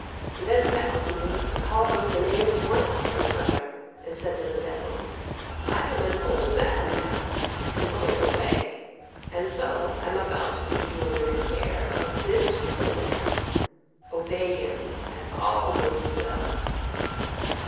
He then sat with me and called over the names one after the other, and said to the devils, 'I am an old man now, am going away, and so am about to put you under the care of this young man; obey him and all will be well.'